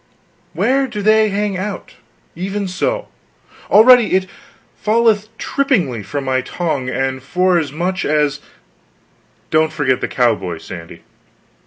Where do they hang out. Even so! already it falleth trippingly from my tongue, and forasmuch as " "Don't forget the cowboys, Sandy."